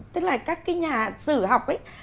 tức là các cái nhà sử học ấy